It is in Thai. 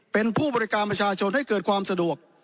เป็นผู้บริการประชาชนให้เกิดความสะดวก